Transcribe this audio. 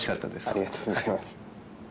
ありがとうございます。